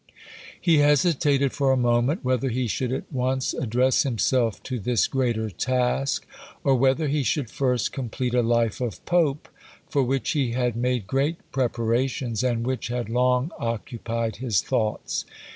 He hesitated for a moment, whether he should at once address himself to this greater task, or whether he should first complete a Life of Pope, for which he had made great preparations, and which had long occupied his thoughts.